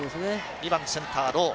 ２番、センター、ロウ。